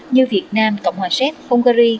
như việt nam cộng hòa xếp hungary